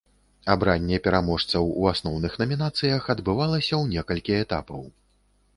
Абранне пераможцаў у асноўных намінацыях адбывалася ў некалькі этапаў.